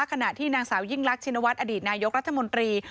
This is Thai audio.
ขณะที่นางสาวยิ่งรักชินวัฒนอดีตนายกรัฐมนตรี